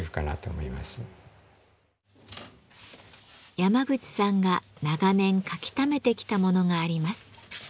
山口さんが長年描きためてきたものがあります。